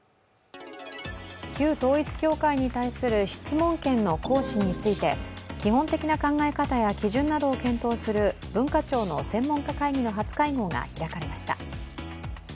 旧統一教会に対する質問権の行使について基本的な考え方や基準などを検討する文化庁の専門家会議の初会合が開かれました。